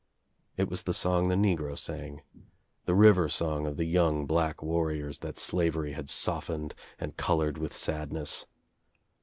It was the song the negro sang, the river song of the young black warriors that slavery had softened and colored with sadness.